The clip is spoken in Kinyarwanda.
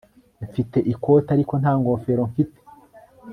Mfite ikote ariko nta ngofero mfite